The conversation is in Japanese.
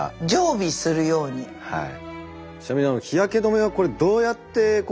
はい。